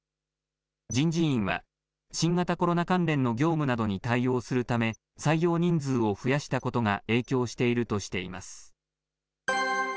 人事院は、新型コロナ関連の業務などに対応するため、採用人数を増やしたことが影響しているとしています。